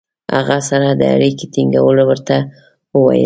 هغه سره د اړیکې ټینګولو ورته وویل.